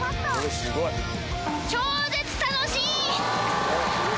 超絶楽しい！